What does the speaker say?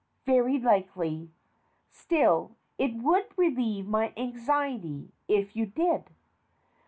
Very likely. Still, it would relieve my anxiety if you did.